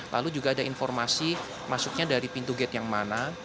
lalu juga ada informasi masuknya dari pintu gate yang mana